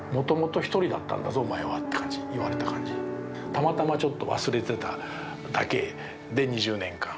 たまたまちょっと忘れてただけで２０年間。